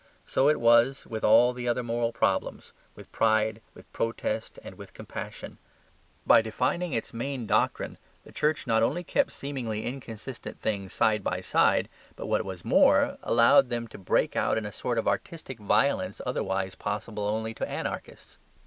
So it was with all the other moral problems, with pride, with protest, and with compassion. By defining its main doctrine, the Church not only kept seemingly inconsistent things side by side, but, what was more, allowed them to break out in a sort of artistic violence otherwise possible only to anarchists.